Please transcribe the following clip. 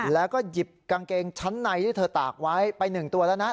แล้วก็หยิบกางเกงชั้นในที่เธอตากไว้ไป๑ตัวแล้วนะ